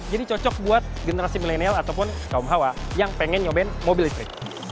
jadi cocok buat generasi milenial ataupun kaum hawa yang pengen nyobain mobil ini